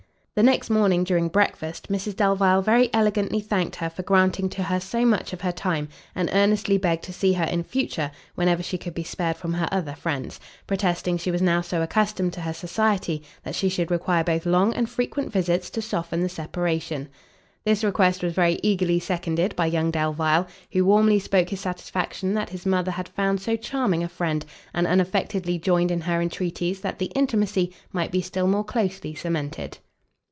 The next morning during breakfast, Mrs Delvile very elegantly thanked her for granting to her so much of her time, and earnestly begged to see her in future whenever she could be spared from her other friends; protesting she was now so accustomed to her society, that she should require both long and frequent visits to soften the separation. This request was very eagerly seconded by young Delvile, who warmly spoke his satisfaction that his mother had found so charming a friend, and unaffectedly joined in her entreaties that the intimacy might be still more closely cemented.